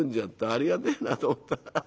ありがてえなと思った。